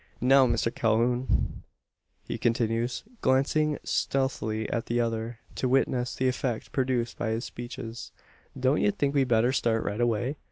Now, Mister Calhoun," he continues, glancing stealthily at the other, to witness the effect produced by his speeches; "don't ye think we'd better start right away?